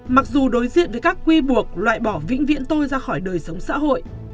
mặc dù đối diện với các quy buộc loại bỏ vĩnh viễn tôi ra khỏi đời sống xã hội